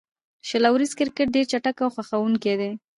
شل اوریز کرکټ ډېر چټک او خوښوونکی دئ.